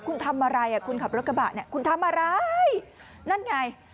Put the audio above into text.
คุณทำอะไรอ่ะคุณขับรถกระบะเนี่ยคุณทำอะไรนั่นไง